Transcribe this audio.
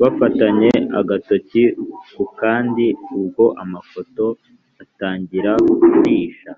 bafatanye agatoki kukandi ubwo amafoto atangira kurisha